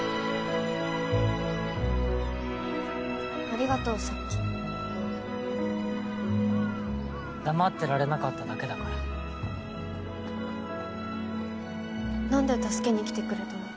ありがとうさっき黙ってられなかっただけだからなんで助けに来てくれたの？